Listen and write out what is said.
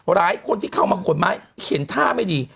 หลายคนที่เข้ามาขนไม้เห็นท่าไม่ดี